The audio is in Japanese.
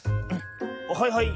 はいはい。